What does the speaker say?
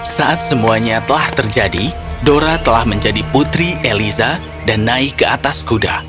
saat semuanya telah terjadi dora telah menjadi putri eliza dan naik ke atas kuda